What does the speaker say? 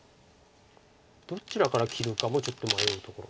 どちらから切るかもちょっと迷うところ。